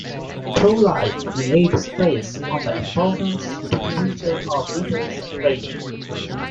Through life, he laid stress on the importance to the teacher of literary training.